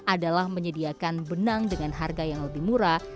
adalah menyediakan benang dengan harga yang lebih murah